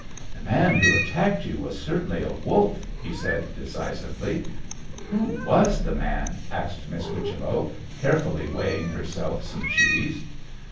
'The man who attacked you was certainly a wolf,' he said decisively. 'Who was the man?' asked Miss Whichello, carefully weighing herself some cheese.